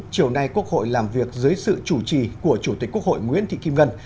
chiều nay quốc hội làm việc dưới sự chủ trì của chủ tịch quốc hội nguyễn thị kim ngân